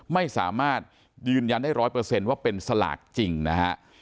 ไม่สามารถยืนยันได้ร้อยเปอร์เซ็นต์ว่าเป็นสลากจริงนะฮะ